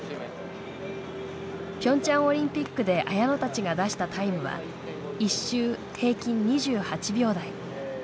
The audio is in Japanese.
ピョンチャンオリンピックで綾乃たちが出したタイムは１周平均２８秒台。